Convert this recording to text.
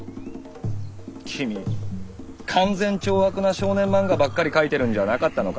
君勧善懲悪な少年漫画ばっかり描いてるんじゃあなかったのか。